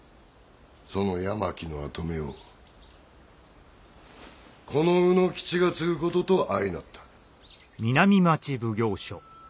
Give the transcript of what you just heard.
その八巻の跡目をこの卯之吉が継ぐことと相成った。